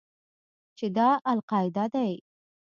چې دا القاعده دى.